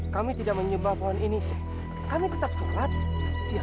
kami tidak menyembah pohon ini tapi kami menyembah allah di dalam islam